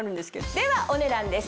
ではお値段です。